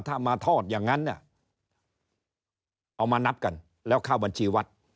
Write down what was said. ถ้ามาทอดอย่างนั้นเนี่ยเอามานับกันแล้วเข้าบัญชีวัด